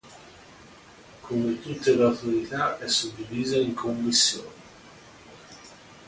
Come tutte le autorità è suddivisa in commissioni.